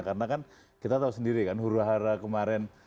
karena kan kita tahu sendiri kan huru hara kemarin